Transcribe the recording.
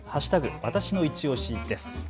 わたしのいちオシです。